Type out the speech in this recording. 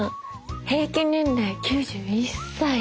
平均年齢９１歳。